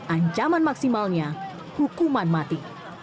ancaman maksimalnya hukuman mati